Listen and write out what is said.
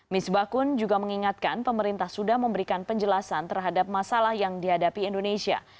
misbakun juga mengingatkan pemerintah sudah memberikan penjelasan terhadap masalah yang dihadapi indonesia